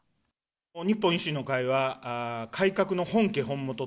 日本維新の会は、改革の本家本元と。